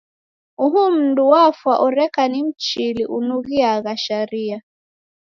Uhu mndu wafwa oreka ni Mchili unughiagha sharia.